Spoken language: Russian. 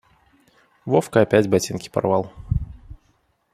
Вовка опять ботинки порвал.